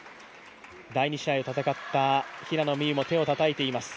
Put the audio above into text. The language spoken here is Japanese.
第２試合を戦った平野美宇も手をたたいています。